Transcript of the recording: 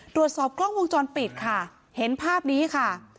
ตรวจสอบกล้องวงจรปิดค่ะเห็นภาพนี้ค่ะ